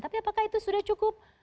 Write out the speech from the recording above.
tapi apakah itu sudah cukup